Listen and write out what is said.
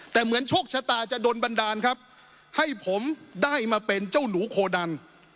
แต่เหมือนโชคชะตาจะโดนบันดาลครับให้ผมได้มาเป็นเจ้าหนูโคดัน